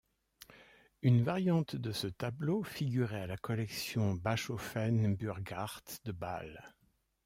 Une variante de ce tableau figurait à la collection Bachofen-Burghardt de Bâle.